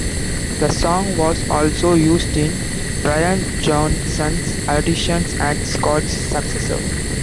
The song was also used in Brian Johnson's audition as Scott's successor.